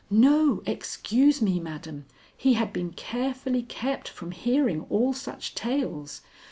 "No; excuse me, madam, he had been carefully kept from hearing all such tales.